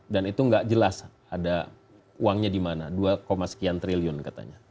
dan itu enggak jelas ada uangnya di mana dua sekian triliun katanya